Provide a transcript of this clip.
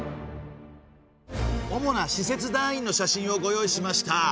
主な使節団員の写真をご用意しました。